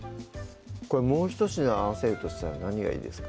もうひと品合わせるとしたら何がいいですか？